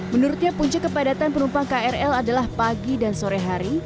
menurutnya punca kepadatan penumpang krl adalah pagi dan sore hari